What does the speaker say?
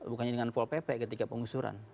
bukannya dengan volpepek ketika pengusuran